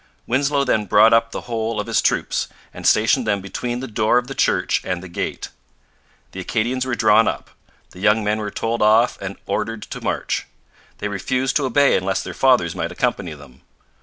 Winslow then brought up the whole of his troops, and stationed them between the door of the church and the gate. The Acadians were drawn up; the young men were told off and ordered to march. They refused to obey unless their fathers might accompany them.